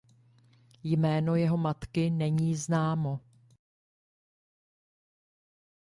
Jméno jeho matky není známo.